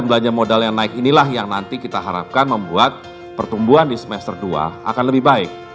dan belanja modal yang naik inilah yang nanti kita harapkan membuat pertumbuhan di semester dua akan lebih baik